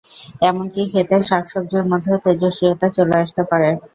এমনকি ক্ষেতের শাকসবজির মধ্যেও তেজস্ক্রিয়তা চলে আসতে পারে।